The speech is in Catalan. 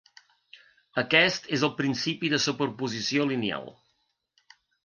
Aquest és el principi de superposició lineal.